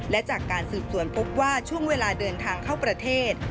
และจากการสืบสวนพบว่าช่วงเวลาเดินทางเข้าประเทศ